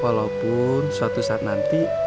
walaupun suatu saat nanti